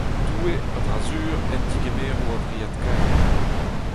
Doue, a-dra-sur, en degemero a-vriad-kaer.